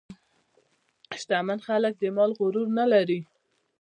شتمن خلک د مال غرور نه لري.